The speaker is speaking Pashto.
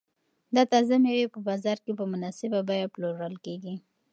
دا تازه مېوې په بازار کې په مناسبه بیه پلورل کیږي.